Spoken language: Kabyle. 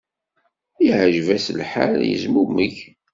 Yeɛjeb-as lḥal, yezmumeg.